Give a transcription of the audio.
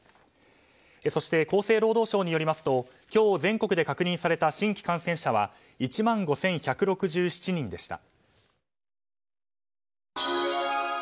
そして、厚生労働省によりますと今日、全国で確認された新規感染者は１万５１６７人でした。